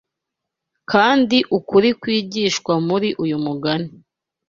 Kandi ukuri kwigishwa muri uyu mugani